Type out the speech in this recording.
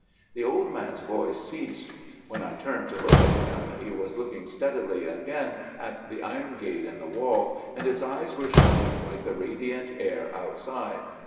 The old man's voice ceased. When I turned to look at him he was looking steadily again at the iron gate in the wall, and his eyes were shining like the radiant air outside.